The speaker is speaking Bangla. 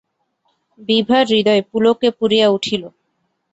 বিভার হৃদয় পুলকে পূরিয়া উঠিল।